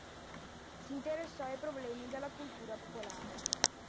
Si interessò ai problemi della cultura popolare.